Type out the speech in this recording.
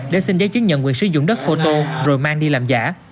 để xin giấy chứng nhận quyền sử dụng đất phô tô rồi mang đi làm giả